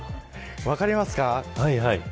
分かりますか。